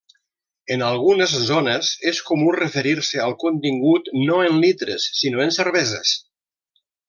En algunes zones és comú referir-se al contingut no en litres sinó en cerveses.